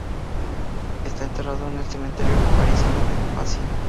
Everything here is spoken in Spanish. Está enterrado en el cementerio parisino de Passy.